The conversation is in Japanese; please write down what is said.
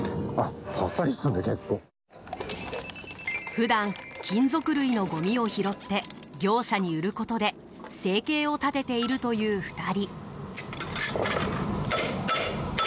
普段、金属類のごみを拾って業者に売ることで生計を立てているという２人。